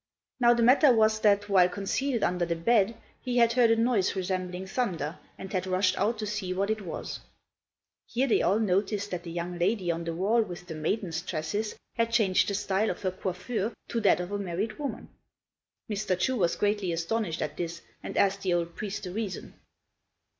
Now the matter was that while concealed under the bed he had heard a noise resembling thunder and had rushed out to see what it was. Here they all noticed that the young lady on the wall with the maiden's tresses had changed the style of her coiffure to that of a married woman. Mr. Chu was greatly astonished at this and asked the old priest the reason.